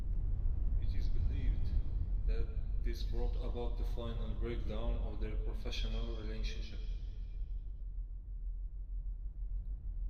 It is believed that this brought about the final breakdown of their professional relationship.